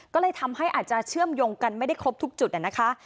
ก็เลยทำให้อาจจะเชื่อมโยงกันไม่ได้ครบทุกจุดนะคะ